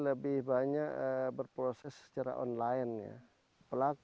lebih banyak bertumbuh di tempat lain dan juga di tempat lain juga kita lebih banyak bertumbuh di tempat lain